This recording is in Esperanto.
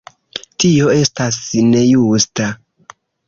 Tio estas nejusta.